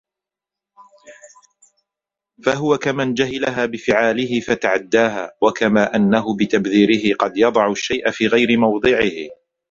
فَهُوَ كَمَنْ جَهِلَهَا بِفِعَالِهِ فَتَعَدَّاهَا وَكَمَا أَنَّهُ بِتَبْذِيرِهِ قَدْ يَضَعُ الشَّيْءَ فِي غَيْرِ مَوْضِعِهِ